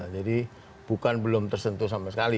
jadi bukan belum tersentuh sama sekali